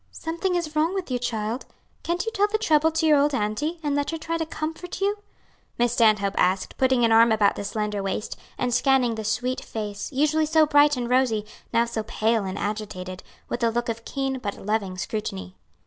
"Something is wrong with you, child; can't you tell the trouble to your old auntie, and let her try to comfort you?" Miss Stanhope asked, putting an arm about the slender waist, and scanning the sweet face, usually so bright and rosy, now so pale and agitated, with a look of keen but loving scrutiny.